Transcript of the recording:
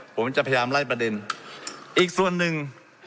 ผมจะพยายามไล่ประเด็นอีกส่วนหนึ่ง